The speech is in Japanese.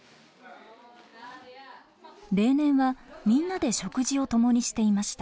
例年はみんなで食事を共にしていました。